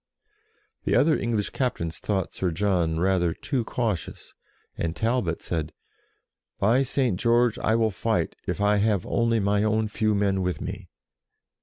50 JOAN OF ARC The other English captains thought Sir John rather too cautious, and Talbot said, "By St. George, I will fight if I have only my own few men with me